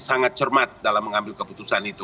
sangat cermat dalam mengambil keputusan itu